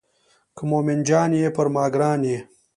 که مومن جان یې پر ما ګران یې.